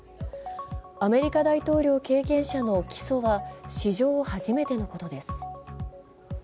アメリカ大統領経験者の起訴は史上初めてのことです。